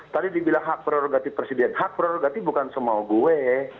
tadi dibilang hak prerogatif presiden hak prerogatif bukan semua gue